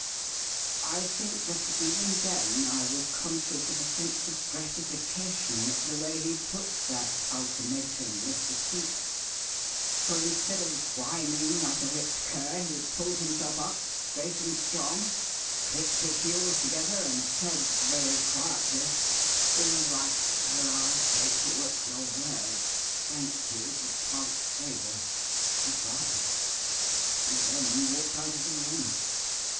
"I think that even then I was conscious of a sense of gratification at the way he took that ultimatum, Mr. Cleek, for instead of whining like a whipped cur, he pulled himself up straight and strong, clicked his heels together, and said very quietly, 'All right, sir, I'll take you at your word. Thank you for past favours. Good bye!' and then walked out of the room.